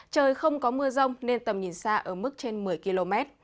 trời không có mưa rông nên tầm nhìn xa ở mức trên một mươi km